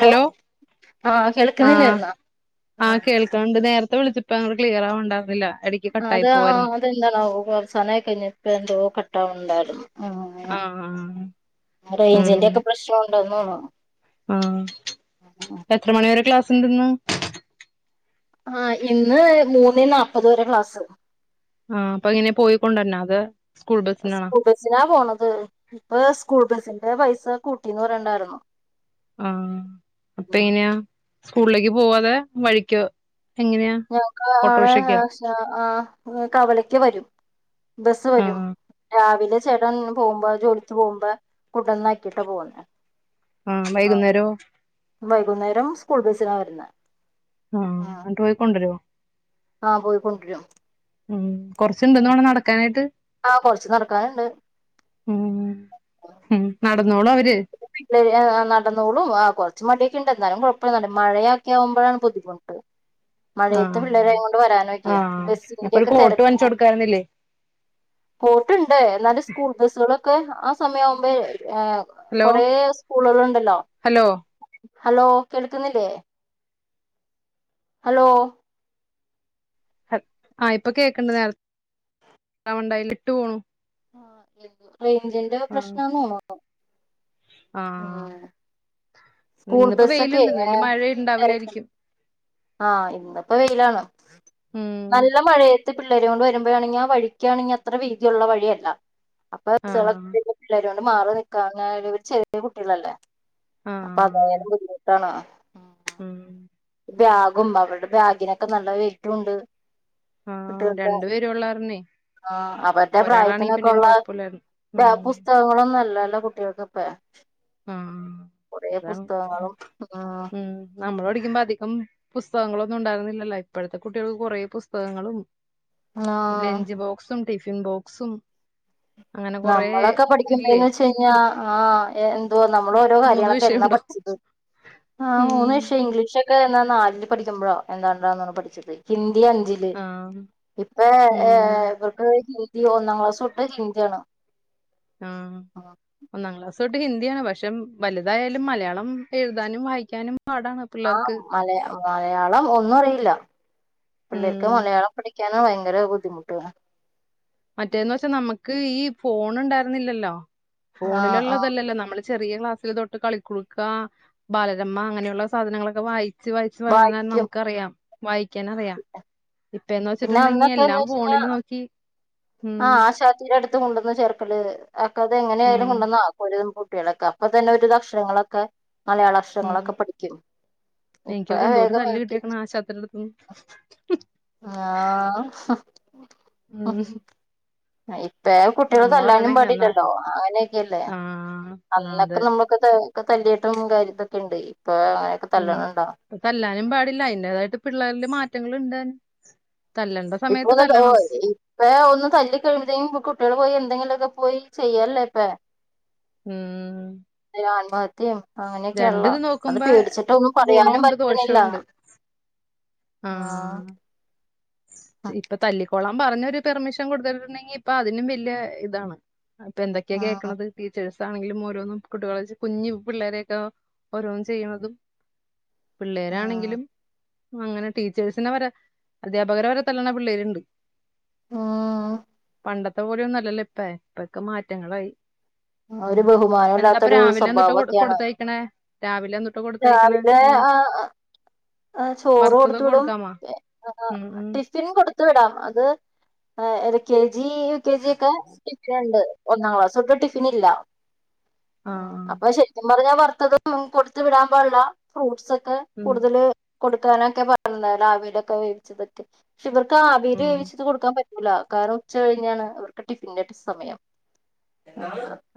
Hello ആഹ് ആഹ കേൾക്കുന്നില്ലായിരുന്നോ ആ ആഹ് കേൾക്കണ്ട് നേര ത്തെ വിളിച്ചപ്പ അവി ക്ലിയർ ആവ് ഉണ്ടാവുർന്നില്ല അതെ ആ അതെന്താർണാവോ അവസനായി കയിഞ്ഞപ്പ എന്തോ കട്ടാവുന്നുണ്ടായിരുന്നു ആ ആഹ് ആഹ് റേഞ്ചിന്റ ഉം ഒക്കെ പ്രശ്നുണ്ട്ന്ന്ന്നോണ് സ്റ്റണ്ട്ന്ന് ആ ഇന്ന് മൂന്ന് നാല്പത് വരെ ക്ലാസ്സ് ഏ സ്കൂൾ ബസ്സിന പോണത് അത് ഇപ്പ സ്കൂൾ ബസിന്റെ പൈസ കൂട്ടീന്ന് പറയണ്ടായിരുന്ന ആഹ അപ്പൊ എങ്ങനെയാ സ്കൂളിലേക്ക് പോവാതെ വഴിക്ക് ഞങ്ങക്ക് അടെ ആ കവലക്ക് വരും ബസ് വരും ആഹ് രാവിലെ ചേട്ടൻ പോകുമ്പോ ജോലിത്ത് പോകുമ്പോ കെണ്ടന്നാക്കിട്ടാ പോവന്നെ ആഹ വൈകുന്നേരോ വൈകുന്നേരം സ്കൂൾ ബസിന വരുന്ന ആഹ അന്നിട്ട് പോയിക്കൊണ്ടുവരുവോ ആഹ പോയിക്കൊണ്ടരും ഉം കുറച്ചുണ്ടന്നടെ നടക്കാനായിട്ട് ആഹ കൊറച്ച് നടക്കാനുണ്ട് നടന്നേള അവര [unintelligible] നടന്നോളും ആ കെറച്ച് മടി ക്ക്ണ്ടാലും കുഴപ്പല്ല മഴയക്കെ ആകുമ്പോഴാണ് ബുദ്ധിമുട്ട് ആഹ് മഴയത്ത് പിള്ളേരായ കൊണ്ട് വരാനൊക്കെ ആഹ് അപ്പൊ ഒരു ബസിന്റെക്കെ കോട്ട് തിരക്കും വാങ്ങിച്ചു കൊടുക്കായിരുന്നില്ലേ പോട്ടുണ്ട് എന്നാല് സ്കൂൾ ബസുകളൊക്കെ ആ സമയം ആവുമ്പ് ഏ... ഹലോ കൊറ സ്കൂളുകളുണ്ടല്ലോ ഹലോ ഹലോ കേൾക്കുന്നില്ലേ ഹലോ ആ ഇപ്പൊ കേക്കണ്ട് നേരത്തെണ്ടായി ഇട്ടു പോണു ആ എ റേഞ്ചിന്റെ ആ പ്രശ്നംന്ന് ഓുന്നു ആ സ്കൂൾ ഇന്നിപ്പോ ബസ്സൊക്കെ വെയിലുണ്ടന്ന് വല് മഴ ഇണ്ടാവില്ലായിരിക്കും ആ ഇന്നപ്പോ വെയിലാണ് ഉം നല്ല മഴ പിള്ളേരെ കൊണ്ട് വരുമ്പോയാണെങ്കിൽ ആ വഴിക്കാണെങ്കിൽ അത്ര വീതിയുള്ള വഴിയല്ല ആ [unintelligible] മാറി നിക്കാ പറഞ്ഞാ അവര് ചെറിയ കുട്ടികളല്ലേ ആ അപ്പൊ അതായാലും ബുദ്ധിമുട്ടാണോ ഉം ഉം ബാഗും അവരുടെ ബാഗിനൊക്കെ നല്ല വെയിറ്റും ഉണ്ടും ആ കുട്ടികളുടെ രണ്ടു പേരും ഉള്ള കാരണേ ആ അവരുടെ ഒരാളാണെങ്കി പ്രായത്തിനൊക്കെ പിന്നെയും ഉള്ള കൊഴപ്പമില്ലായിരുന്നു ഉം പുസ്തകങ്ങളൊന്നും അല്ലല്ലോ എല്ലാ കുട്ടികൾക്ക് ഇപ്പ ആ കുറെ അതാണ് പുസ്തകങ്ങളും ആ ഉം നമ്മള് അധികം പുസ്തകങ്ങളൊന്നും ഉണ്ടായിരുന്നില്ലല്ലോ ഇപ്പോഴത്തെ കുട്ടികൾക്ക് കുറേ പുസ്തകങ്ങളും ആ ലെഞ്ച് ബോക്സും റ്റി ഫിൻ ബോക്സും അങ്ങനെ കൊറേ നമ്മളൊക്കെ ഇല്ലേ പഠിക്കുമ്പന്ന് വച്ച് കഴിഞ്ഞാ ആ എന്ത ആ, നമ്മള് ഓരോ മൂന്ന് കാര്യങ്ങളൊക്കെ എന്നാ വിഷയമുണ്ടോ പഠിച്ചത് ആ ഉം മൂന്നു വിഷയം ഇംഗ്ലീഷ് എനിക്ക് തോന്നുന്നത് നാലില് പഠിക്കുമ്പോഴോ എന്താണ്ടാന്നാണ് പഠിച്ചത് ഹിന്ദി ഇ അഞ്ചില് ആ ഇപ്പോ ഏ ഉം ഇവർക്ക് ഹി ഈ ഒന്നാം ക്ലാസ് തൊട്ട് ഹിന്തിയാണ് ആ ഒന്നാം ക്ലാസ്സ്‌ തൊട്ട് ഹിന്ദിയാണ് പക്ഷെ വലുതായാലും മലയാളം എഴുതാനും വായിക്കാനും പാടാണ് ആ പിള്ളേർക്ക് മലയാ മലയാളം ഒന്നും അറിയില്ല ഉം പിള്ളേർക്ക് മലയാളം പഠി ക്കാനും ഭയങ്കര ബുദ്ധിമുട്ടുവാ മറ്റേന്ന് വച്ചാ നമുക്ക് ഈ ഫോൺ ഉണ്ടായിരുന്നില്ലല്ലോ ആ ആ ഫോണിലുള്ളതല്ലല്ലോ നമ്മള് ചെറിയ ക്ലാസ്സിൽ തൊട്ട് കളിക്കുടുക്ക, ബാലരമ അങ്ങനെയുള്ള സാധനങ്ങളൊക്കെ വായി ച്ച് വായിച്ച് വളർന്നതെന്ന് വായിക്കും നമുക്കറിയാം വായിക്കാൻ അറിയാം ഇപ്പന്ന് പിന്നെ വെച്ചിട്ടുണ്ടെങ്കി അന്നൊക്കെന്ന് എല്ലാം വെച്ച് കഴിഞ്ഞാൽ ഫോണിൽ നോക്കി ഉം ആ ആശാത്തീ ഇ അടുത്ത് കൊണ്ട് വന്ന് ചേർക്കല് ഒക്കെ അത് എങ്ങനെ ഉം ആയാലും കൊണ്ടൊനാ [unintelligible] കുട്ടികളൊക്കെ അപ്പൊ തന്നെ ഒരു ഭക്ഷണങ്ങളൊക്കെ ഉം ഉം ഇപ്പ എനിക്കൊക്കെ എന്തോരം വേഗം ആ തല്ല് കിട്ടിയേക്കണ് ആശത്തിടെ അടുത്തൂന്ന് ആ ഹ് ഉം അയ് ഇപ്പേ കുട്ടികള് അമ്മ തല്ലാനും പറയണേക്ക എന്നാ പാടില്ലല്ലോ ആങ്നെയൊക്കെയല്ലേ ആഹ് ആഹ് അതെ നമ്മകൊക്കെ ഒക്കെ തല്ലിട്ടും കാര്യതൊക്കെ ഇണ്ടെ ഉം ഇപ്പതല്ലാനും പാടില്ല അയ്ന്റേതായിട്ട് പിള്ളേരില് മാറ്റ് റ്റങ്ങളുണ്ട് ഇപ്പൊന്ന് തൊ ഇപ്പെ ഒന്ന് തല്ലിക്കഴ്ബഴ്തേനും കുട്ടികള് പോയി എന്തെങ്കിലുവൊക്കെ പോയി ചെയ്യല്ലെ ഇപ്പെ ഉം ആ മത്തിം ആ അങ്ങനെയൊക്കെയൊള്ള രണ്ടിത് അത് നോക്കുമ്പോ പേടിച്ചിട്ട് ഒന്നും പറയാനും ഗുണമുണ്ട് പറ്റുന്നില്ല ദോഷമുണ്ട് ആ ഇപ്പ തല്ലി കൊളം പറഞ്ഞൊരു പെർമിഷൻ കൊട്ത്തിട്ടുണ്ടെങ്കി ഇപ്പൊ അതിനും വെല്യ ഇതാണ് അപ്പ എന്തെക്കെയാ ആഹ് കേക്കണത് ടിച്ചേഴ്സ് അതാണങ്കിലും ഓരോന്നും കുട്ടികളെ വെച് കുഞ്ഞി പിള്ളേരെയൊക്കെ ഓരോന്നും ചെയ്യണതും ആഹ് പിള്ളേരാണങ്കിലും അങ്ങനെ ടീച്ചേഴ്സ്നെ വരെ അധ്യാപകരെ വരെ തല്ലണ പിള്ളേരിണ്ട് ഉം പണ്ടത്തെ പോലെയൊന്നുഅല്ലലോ ഇപ്പെ ഇപ്പൊക്കെ മാറ്റങ്ങളായി ആ ഉം ഒരു എന്താപ്പൊ ബഹുമാനില്ലാതൊരു രാവിലെ എന്തുട്ടാ കൊട് സ്വബാവൊക്കെയാണ് കൊടുത്തയക്കണേ രാവിലെ എന്തുട്ടാ കൊടുത്തയക്കണേ രാവിലെ ഇങ്ങനെ ആ ആ ചോറ് കൊടുത് വറുത്തതൊക്കെ വിടും കൊടുക്കാമോ ആ ഉം ഉം ടിഫിൻ കൊടുത് വിടാം അത് ആ എൽകെജി യുകെജിയൊക്കെ ടിഫിനൊണ്ട് ഒന്നാം ക്ലാസൊട്ട് ടിഫിനില്ല ആ അപ്പൊ ശെരിക്കും പറഞ്ഞാ പറ [unintelligible] കൊടു വിടാൻമ്പാടിള്ള ഫ്രൂട്ട്സൊക് അ ഉം കൂടുതല് കൊടുക്കാനൊക്കെ [unintelligible] ആവിലൊക്കെ വേവിച്ച് [inaudible] ഇവർക്ക് ആവീൽ ഉം വേവിച്ചത് കൊടുക്കാൻ പറ്റും ല്ല കാരണം ഉച്ച കഴിഞ്ഞാണ് അവർക്ക് ടിഫിന്റെ [unintelligible] സമയം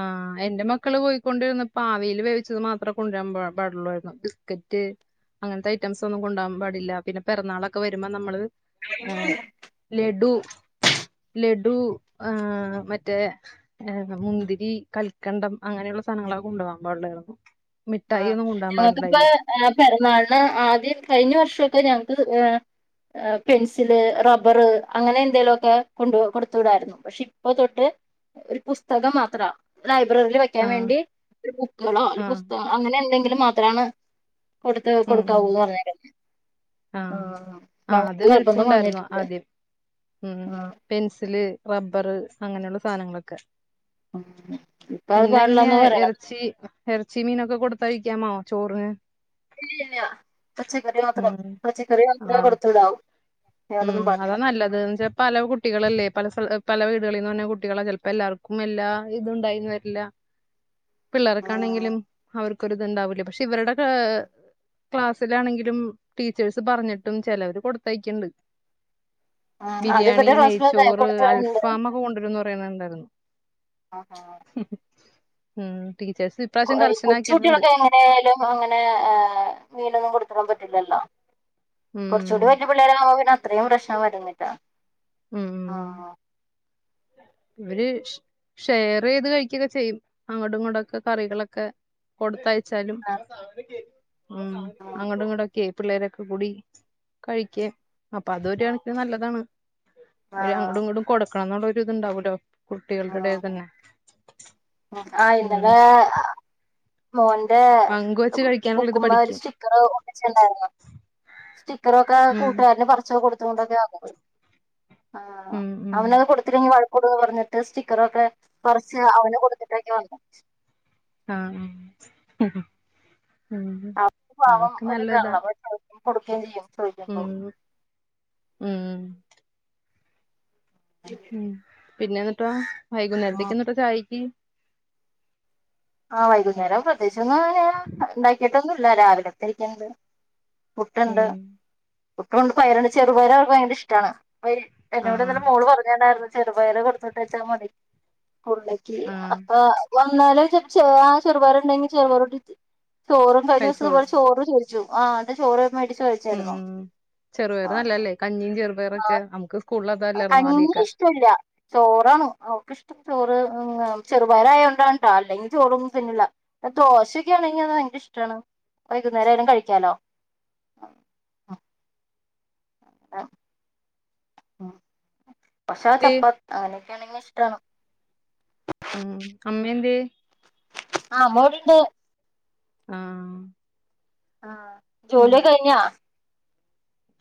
ആഹ് എന്റെ മക്കള് പോയി കൊണ്ടുവരുന്ന ആവിയിൽ വേവിച്ചത് മാത്രം കൊണ്ടുവരാൻ പാ പാടുള്ളൂ ആയിരുന്നു ബിസ്ക്കറ്റ് അങ്ങനത്തെ ഐറ്റംസ് ഒന്നും കൊണ്ടു പോകാൻ പാടില്ല പിന്നെ പിറന്നാളൊക്കെ വരുമ്പോ നമ്മള് ആ ലഡു ലഡു ആ മറ്റേ മുന്തി.. ഈ കൽക്കണ്ടം അങ്ങനെയുള്ള സാധങ്ങളൊക്കെ കൊണ്ട് പോകാൻ പാടില്ലായിരുന്നു. ആ ഞങ്ങക്കിപ്പ അ പിറന്നാൾ [unintelligible] ആദ്യം കഴിഞ്ഞ വർഷൊക്കെ ഞങ്ങക്ക് ആ അ പെൻസില്, റബ്ബർ അങ്ങനെ എന്തെലു ഒക്കെ കൊണ്ട് കൊടുത്തുടായിരുന്നു പക്ഷെ ഇപ്പൊ തൊട്ട് ഒരു പുസ്തകം മാത്രാ [unintelligible] ലൈബ്രറില് വെക്കാൻ ആ വേണ്ടി ഒരു ബുക്ക്കളോ ആ [unintelligible] അങ്ങനെ എന്തെങ്കിലും മാത്രമാണ് കൊടുത്ത് ഉം ഉം കൊടുക്കാവൂന്ന് പറഞ്ഞേക്ക.. ആ ആ അത് വിൽക്കുണ്ടായിരുന്നു വന്നിട്ടില്ല ആദ്യം ഉം ആ പെൻസില് റബ്ബറ് അങ്ങനെയുള്ള സാധനങ്ങളൊക്കെ ഇപ്പൊ അത് പിന്നെ പാടില്ലാന്ന് എങ്ങനെയാ പറയണ ഇറച്ചി ഇറച്ചി മീനൊക്കെ കൊടു.. തഴിക്കാമോ ചോറിന് [unintelligible] പച്ചക്കറി മാത്രം ഉം പച്ചക്.. ക്കറി യാത്രേ ആഹ് കൊടുത്തുടാവും ഉം അതാ നല്ലത് ന്ന് വച്ചാ പല കുട്ടികളല്ലേ പല സ്ഥല.. പല വീടുകളിൽന്ന് വരുന്ന കുട്ടികളാ ചിലപ്പോ എല്ലാർക്കും എല്ലാ ഇത്ണ്ടായിന്ന് വരില്ല ആഹ് പിള്ളേർക്കാണെങ്കിലും അവർക് ഒരു ഇത്ണ്ടാവില്ലേ പക്ഷെ ഇവരുടെ ക്ലാസ്സിലാണെങ്കിലും ടീച്ചേഴ്സ് പറഞ്ഞിട്ടും ചിലവര് കൊടുത്തയക്കണ്ട് ആഹ് അത് ബിരിയാണി, ഇവരുടെ ക്ലാസ്സിലൊക്കെ നെയ്ച്ചോറ്, കൊടുത്തിടുന്നുണ്ട് അൽഫാമൊക്കെ കൊണ്ടുവരുമെന്ന് പറയുന്നുണ്ടായിരുന്നു ഉം ടീച്ചേഴ്സ് ഇപ്രാവശ്യം ഈ കർശനാക്കിയിട്ടുണ്ട് കൊച്ചുകുട്ടികളൊക്കെ എങ്ങനെ ആയാലും അങ്ങനെ മീനൊന്നും കൊടു.. അത്രേൻ പറ്റില്ലല്ലോ ഉം കുറച്ചൂടി വല്യ പിള്ളേരാവുമ്പം പിന്നെ അത്രയും പ്രശ്നം വരുന്നില്ലാ ഉം ആ അ ഇവര് ഷെയർ ചെയ്ത് കഴിക്കൊക്കെ ചെയ്യും അങ്ങോട്ടും ഇങ്ങോട്ടൊക്കെ കറികളൊക്കെ കൊടുത്തയ ചലും ഉ ആഹ് അങ്ങോടും ഇങ്ങട പിള്ളേരൊക്കെ കൂടി കഴിക്ക അപ്പൊ അതൊ കണന് നല്ലതാണ് അവര് അങ്ങടും ഇങ്ങടും കൊടുക്കണം എന്നുള്ള ഇണ്ടാവൂല്ലോ ആ ആ ഉം ഇന്നലേ മോന്റെ പങ്ക് വെച്ച് കഴിക്കാനുള്ള ഇത് ബുക്കുമ്മേ ഒരു പഠിക്കും സ്റ്റിക്കർ ഒട്ടിച്ച്ണ്ടായിരുന്നു സ്റ്റിക്കറൊക്കെ കൂട്ടുകാരന് പറച്ച കൊടു [unintelligible] ആ ഉം ഉം ഉം അവനത് കൊടുത്തില്ലെങ്കി വഴ കൊടു ന്ന് പറഞ് സ്റ്റിക്കറക്കെ കൊറച്ച് അവന് കൊടുത്തിട്ടൊക്കെ വന്നേ ആ ആ പാവം ഒരിതാണ കൊടുക്കുകയും ചെയ്യും ഉം ചോയ്ച്ചപ്പോ ഉം ഉം പിന്നെ ന്നിട്ടോ വൈകുന്നേരത്തിക്ക്ന്ന്ട്ട് ചായക്ക് ആ വൈകുന്നേരം പ്രത്യേ [unintelligible] [unintelligible] പുട്ടുണ്ട് ഉം [unintelligible] ചെറുപയർ അവർക്ക് ഭയങ്കര ഇഷ്ടമാണ് വ എന്നോട് ആഹ് ഇന്നലെ ആഹ് മോള് പറഞ്ണ്ടായിരുന്നു ചെറുപയറ് കൊടുത്തട്ട്ച്ചാൽ മതി ലേക്ക് ആഹ് അപ്പൊ വന്നാലും ചോ ചെറുപാറ ണ്ടെങ്കിൽ ചെറുപാറണ്ടെങ്കി കഴിച്ചോളും [unintelligible] ചോ ആ അന്റെ ചോറ് മേടിച്ച് ഉം കഴിച്ചായിരുന്നു ചെറുപയർ ആ നല്ലല്ലേ കഞ്ഞിയും ചെറു റൊക്കെ നമുക്ക് സ് കഞ്ഞി ഇഷ്ടല്ല ചോറാണ് അവക്ക് ഇഷ്ട ചോറ് ഉ ചെറുപയറായതോണ്ടാ ട്ടോ അല്ലെങ്കിൽ ചോറൊന്നും തിന്നില്ല ദോശൊക്കെ ആണെങ്കി അത് ഭയങ്കര ഇഷ്ടാണ് വൈകുന്നേരം ആയാലും കഴിക്കാലോ ആ പക്ഷെ ചപ്പാത്ത് അങ്ങനെയൊക്കൊണെങ്കി ട്ടണം ഉം അമ്മന്തേ ആ മോളിണ്ട് ആഹ ആഹ ജോല കഴാ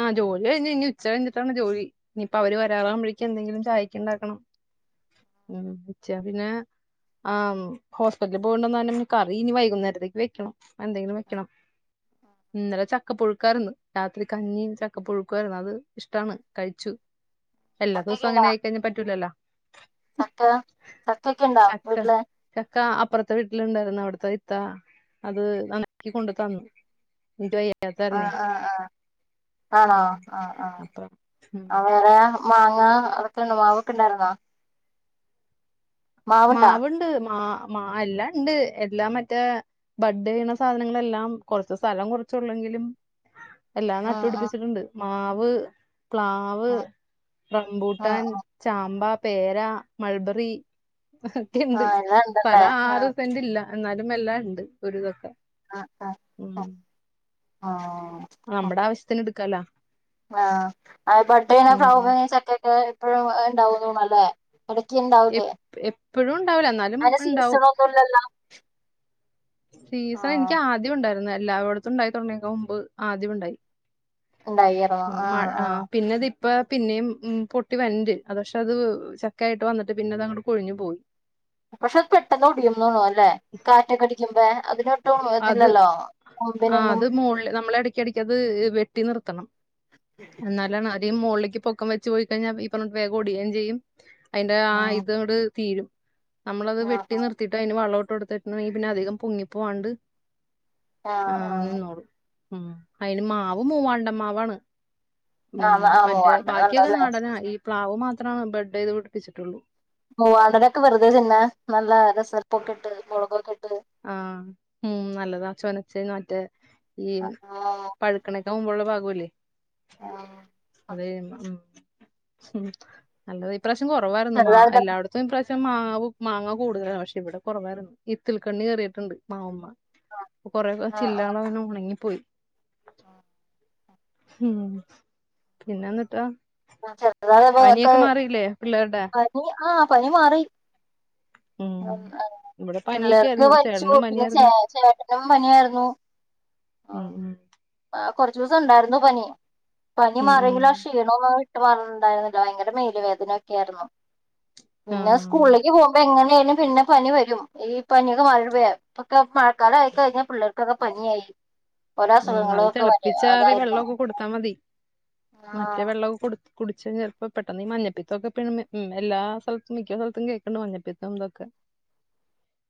ആഹ ജോലി കഴിഞ്ഞ് ഇനി ഉച്ച കഴിഞ്ഞിട്ടാണ് ജോലി ഇനിയിപ്പോ അവര് വരാറാകുമ്പോഴേക്കക്ക് എന്തെങ്കിലും ചായക്ക ഉണ്ടാക്കണം ഉ ഉച്ച പിന്നെ ആ ഹോസ്പിറ്റലിൽ പോകണ്ടന്ന കറി ഇനി വൈകുന്നേരത്തേക്ക് വെക്കണം എന്തെങ്കിലും വെക്കണം ഇന്നലെ ചക്കപ്പൊഴുക്കാന്ന് രാത്രി കഞ്ഞിയ ചക്കപ്പൊഴുക്കുമായിരുന്നു അത് ഇഷ്ടാണ് കഴിച്ചു അല്ല ദിവസം ചക്കയൊക്കെ അങ്ങനെ ഇണ്ടാ ആയിക്കഴിഞ്ഞാ പറ്റൂലല്ലോ ചക്ക ചക്ക ഒക്കെ ഉണ്ടാവ ചക്ക വീട്ടില് ചക്ക അപ്പുറത്തെ വീട്ടിലുണ്ടായിരുന്നു അവിടത്തെ ഇത്ത അത് നനക്കി കൊണ്ടു തന്നുട്ട ആഹ ആഹ ആഹ ആണോ ഉം ആഹ അപ്പൊ ഉം ആഹ വേറെ മാങ്ങ അതൊക്കെണ്ട മാവൊക്കെ ഇണ്ടായിരുന്നോ മാവണ്ട് മാ മ എല്ലാം ഉണ്ട് എല്ലാം മറ്റേ ബഡ് വീണ സാധനങ്ങളെല്ലാം കൊറച്ച് സ്ഥലം കുറച്ചുള്ളെങ്കിലും എല്ലാം ഉം ഉം നട്ടുപിടിപ്പിച്ചിട്ടുണ്ട് മാവ് പക്ലാവ് ഉം ഉം റംബൂട്ടാൻ ഉം ചാമ്പാ പേര മൾബറി ണ്ട് ആഹ് എല്ലാം ഉണ്ടല്ലേ തല ആറ് ആഹ് സെന്റ് ഇല്ല എന്നാലും എല്ലാ ഉണ്ട് ഒതൊക്കെ ഉം ആഹ കല ആഹ അ ബഡേന ഫാവ സക്ക അഴ ഉണ്ടാവുന്നണല്ലേ ഇടക്കുണ്ടാവലേ എപ് എപ്പഴും ഉണ്ടാവില്ല എന്നാലും അങ്ങനെ ഇണ്ടാവും. സീസണ ഒന്നുമല്ലല്ലോ സീസ എനിക്ക് ആദ്യം ഉണ്ട് ഉണ്ടായിരുന്നു എല്ലായിടത്തും ഉണ്ടായി തുടങ്ങിയക്ക മൻ്പ് ആദ്യം ഉണ്ടായി ഉണ്ടായിയൊ ഉം ആ മഴ ആ പിന്നെ ഇത് ഇപ്പ പിന്നേം പൊട്ടി വൻന്റെ അത് പക്ഷെ അത് ചക്കയായിട്ട് വന്നിട്ട് പിന്നെ അത് അങ്ങോട്ട് കൊയി ഞ്ഞു പോയി പക്ഷെ അത് പെട്ടെന്ന് ഒടിയും തോന്നണല്ലെ കാറ്റൊക്കെ അടിക്കുമ്പ അതിനൊട്ട് അത് ആ അത് മോളിൽ നമ്മള ഇട യ്ക്കിടക്ക് അത് വെട്ടി നിർത്തണം എന്നാലെ മുകളിലേക്കെ പൊക്കം വെച്ചെ പോയി കഴിഞ്ഞാൽ ഈ പറഞ്ഞട്ട വേഗോടിയേം ചെയ്യും അതിന്റെ ആ ഉം ഇതോട് തീരും നമ്മളത് ആഹ് വെട്ടിനിർത്തിട്ടതിന് വളോടും ടുത്തിട്ടുട്ടെങ്കി പിന്നെ അധികം പൊങ്ങിപ്പോവാണ്ട് ആ ആ ഉം അയിന് മാവ് മൂവാണ്ടമ്മാവാണ് ഉം ആഹ് ആഹ് മറ്റേ മൂവാണ്ടൻ ബാക്കിയൊക്കെ നല്ലതല്ലേ നാടനാ ഈ പ്ലാവ് മാത്രം ആണ് ബെഡ് ചെയ്ത് പിടിപ്പിച്ചിട്ടുള്ളൂ മൂവാണ്ടനൊക്കെ വെറുതെതിന്നാൻ പിന്നെ നല്ല രസൽപ്പൊക്കെ ഇട്ട് മുളകൊക്കെ ഇട്ട് ആ ഉ നല്ലതാ ചൊനച്ചനെ മറ്റെ ഈ ആഹ് പഴക്കണ ഇമ്പോള്ള ഭാഗമല്ലേ അതെ ഊമ് ഉ നല്ലതായി ഇപ്രാവശ്യം കുറവായിരുന്നു മാങ്ങ ചെറുതായിട്ടൊക്കെ എല്ലായിടത്തും ഇപ്രാശം പക്ഷെ മാവു മാങ്ങ കൂടുതലാ പക്ഷെ ഇവിടെ കൊറവായിരുന്നു ഇത്തിൾ കണ്ണി കറയിട്ടുണ്ട് മാവമ്മ കൊറെേ ചില്ലള [unintelligible] ഒണങ്ങിപ്പോയി ആഹ [unintelligible] ങ്ഹൂമ് പിന്നെന്നിട്ടോ ഉ [unintelligible] അതതൊക്ക പിള്ളേരുടെ പനി ആ പനി മാറി ഉം ഉ ഇവിടെ പനിയൊക്കെ പിള്ളേർക്ക് ആയിരുന്നു വലിച്ചു ചേട്ടനും പിന്നെ ചേ പനിയായിരുന്നു ചേട്ടനും പനിയായിരുന്നു ഉം ഉം ആ കൊറച്ചു ദിവസം ഉണ്ടാരുന്നു പനി പനി ഉം ഉം മാറിയെങ്കിലും ആ ക്ഷീണോം മാറി ഇട്ട് പറണ്ടായിരുന്നില്ല ഭയങ്കര മേലു വേദനൊക്കെ ആയിരുന്നു പിന്നെ ആഹ് സ്കൂളിലേക്ക് പോകുമ്പം എങ്ങനെ പനി പിന്നെ പനി വരും. ഈ പനിയൊക്കെ മാറിട്ട് വേ. ഇപ്പൊക്കെ മഴക്കാലം ആയി കഴിഞ്ഞാൽ പിള്ളേർക്കൊക്കെ പനിയായി. ഓരോ ഉം അസുഖങ്ങളും അത് ഒക്കെ വരും തെളപ്പിച്ചാറി അതായിരുന്നു വെള്ളവൊക്കെ കൊടുത്താ മതി. ആഹ് മറ്റേ വെള്ളവൊക്കെ കൊടുത് കുടിച്ച ചെലപ്പോ പെട്ടെന്നീ മഞ്ഞപ്പിത്തൊക്കെ പി എല്ലാ സ്ഥലത്തും മിക്ക സ്ഥലത്തും കേക്കണ്ട് മഞ്ഞപ്പിത്തം ഇതൊക്കെ.